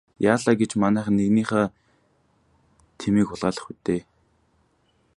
Яалаа гэж манайхан нэгнийхээ тэмээг хулгайлах вэ дээ.